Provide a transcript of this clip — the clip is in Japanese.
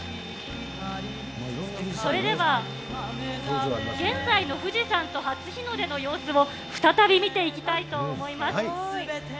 それでは現在の富士山と初日の出の様子を、再び見ていきたいと思います。